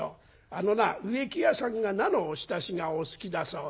あのな植木屋さんが菜のおひたしがお好きだそうだ。